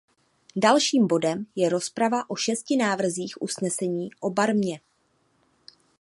Dalším bodem je rozprava o šesti návrzích usnesení o Barmě.